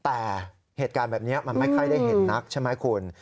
แต่เหตุการณ์แบบนี้มันไม่ค่อยได้เห็นนักใช่ไหมคุณ